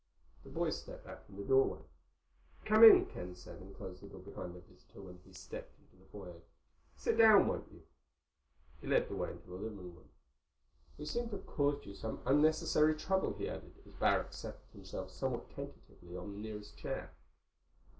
The boys stepped back from the doorway. "Come on in," Ken said, and closed the door behind their visitor when he had stepped into the foyer. "Sit down, won't you?" He led the way to the living room. "We seem to have caused you some unnecessary trouble," he added, as Barrack settled himself somewhat tentatively on the nearest chair.